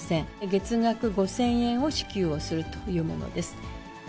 月額５０００円を支給をするというものです。